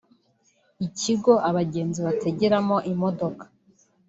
ikigo abagenzi bategeramo imodoka